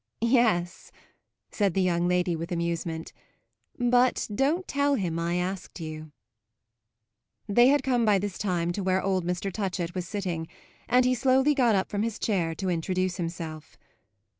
"Yes," said the young lady with amusement; "but don't tell him I asked you." They had come by this time to where old Mr. Touchett was sitting, and he slowly got up from his chair to introduce himself.